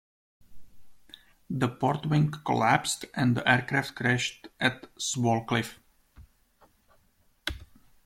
The port wing collapsed and the aircraft crashed at Swalcliffe.